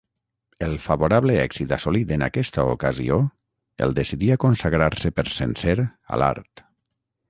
El favorable èxit assolit en aquesta ocasió el decidí a consagrar-se per sencer a l'art.